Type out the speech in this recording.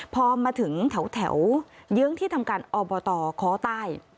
พอมาถึงแถวเยื้องที่ทำการอบตค้อใต้